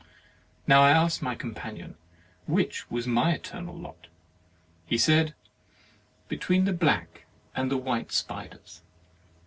I now asked my com panion which was my eternal lot. He said: "Between the black and white spiders.''